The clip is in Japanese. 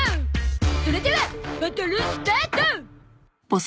それではバトルスタート！